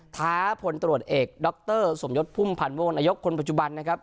ท้าผลตรวจเอกดรสมยศพุ่มพันวงนายกคนปัจจุบัน